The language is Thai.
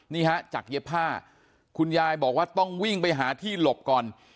นี่ฮะจากเย็บผ้าคุณยายบอกว่าต้องวิ่งไปหาที่หลบก่อน